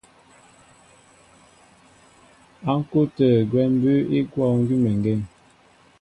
Á ŋ̀kú' tə̂ gwɛ́ mbʉ́ʉ́ í gwɔ̂ gʉ́meŋgeŋ.